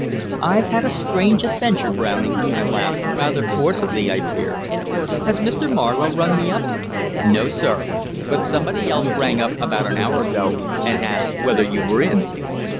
"I've had a strange adventure, Browning," I laughed, rather forcedly I fear. "Has Mr. Marlowe rung me up?" "No, sir. But somebody else rang up about an hour ago, and asked whether you were in."